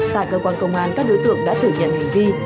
tại cơ quan công an các đối tượng đã thử nhận hành vi